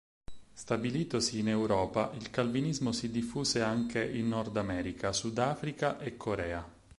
Stabilitosi in Europa, il calvinismo si diffuse anche in Nord America, Sudafrica e Corea.